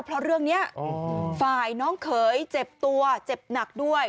เพราะเรื่องนี้ฝ่ายน้องเขยเจ็บตัวเจ็บหนักด้วย